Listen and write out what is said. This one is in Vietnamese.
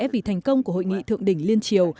vì thành công của hội nghị thượng đỉnh liên triều